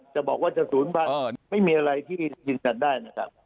จะบอกว่าจะศูนย์พันธุ์ไม่มีอะไรที่ยืนยันได้นะครับ